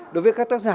đối với các tác giả